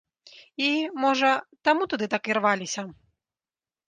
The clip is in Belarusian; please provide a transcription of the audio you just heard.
І, можа, таму туды так ірваліся.